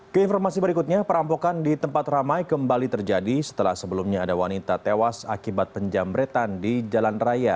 keinformasi berikutnya perampokan di tempat ramai kembali terjadi setelah sebelumnya ada wanita tewas akibat penjamretan di jalan raya